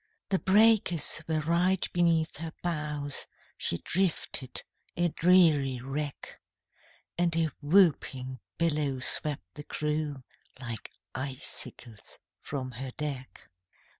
The breakers were right beneath her bows, She drifted a dreary wreck, And a whooping billow swept the crew Like icicles from her deck.